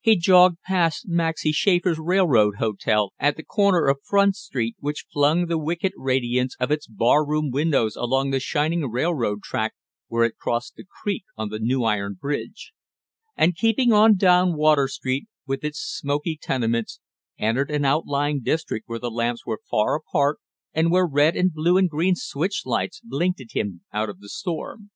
He jogged past Maxy Schaffer's Railroad Hotel at the corner of Front Street, which flung the wicked radiance of its bar room windows along the shining railroad track where it crossed the creek on the new iron bridge; and keeping on down Water Street with its smoky tenements, entered an outlying district where the lamps were far apart and where red and blue and green switch lights blinked at him out of the storm.